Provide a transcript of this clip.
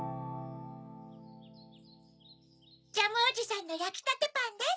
ジャムおじさんのやきたてパンです。